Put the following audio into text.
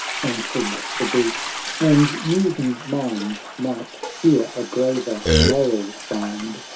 — XVII Answered the Bruce, " And musing mind Might here a graver moral find.